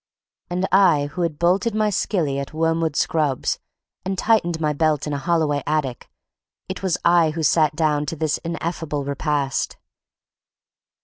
And I who had bolted my skilly at Wormwood Scrubbs, and tightened my belt in a Holloway attic, it was I who sat down to this ineffable repast!